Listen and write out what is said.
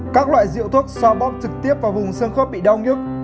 các loại rượu thuốc so bóp trực tiếp vào vùng xương khớp bị đau nhất